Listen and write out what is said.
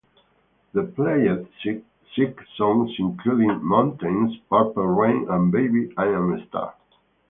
They played six songs including "Mountains", "Purple Rain", and "Baby I'm a Star".